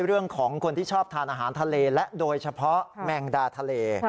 เรื่องของคนที่ชอบทานอาหารทะเลและโดยเฉพาะแมงดาทะเล